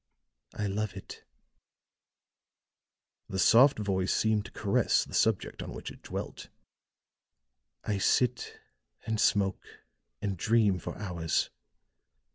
I love it;" the soft voice seemed to caress the subject on which it dwelt; "I sit and smoke and dream for hours.